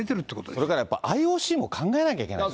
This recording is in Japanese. それからやっぱり、ＩＯＣも考えなきゃいけないよね。